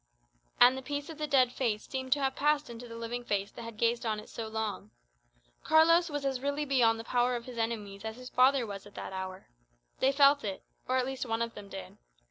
And the peace of the dead face seemed to have passed into the living face that had gazed on it so long. Carlos was as really beyond the power of his enemies as his father was that hour. They felt it; or at least one of them did.